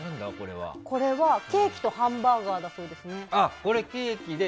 これはケーキとハンバーガーだそうです。